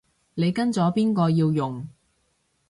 你跟咗邊個要用